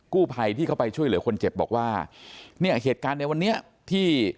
กู้ภัยที่เข้าไปช่วยเหลือคนเจ็บบอกว่าเนี่ยเหตุการณ์ในวันนี้ที่